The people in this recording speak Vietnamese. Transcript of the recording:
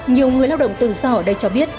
nhiều người lao động tự do ở đây cho biết